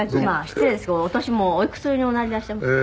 「失礼ですけどお年もうおいくつにおなりでいらっしゃいますか？」